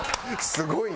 すごいな。